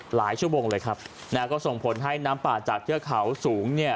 หลายชั่วโมงเลยครับก็ส่งผลให้น้ำป่าจากเชื้อเขาสูง